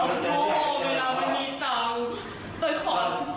เขาเลิกสิทธิ์ไกลการณ์จะเอาไปคลายที่สะโล่ค่ะ